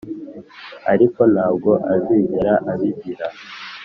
ariko ntabwo azigera abigira